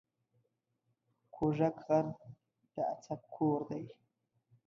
کوږک غر د اڅک کور دی